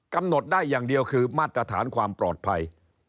กำหนดได้อย่างเดียวคือมาตรฐานความปลอดภัย